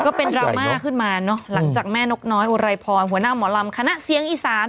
ก็เป็นดราม่าขึ้นมาเนอะหลังจากแม่นกน้อยอุไรพรหัวหน้าหมอลำคณะเสียงอีสาน